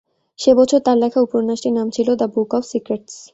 সে-বছর তাঁর লেখা উপন্যাসটির নাম ছিল ‘দ্য বুক অব সিক্রেটস’।